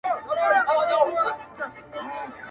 بیا یې پورته تر اسمانه واویلا وي -